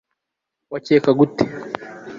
wakekaga ute